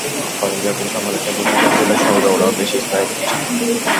কলম্বিয়ার প্রতি সম্মান রেখেই বলছি, ব্রাজিলের সঙ্গে ওরাই বেশি স্নায়ুকাতর ছিল।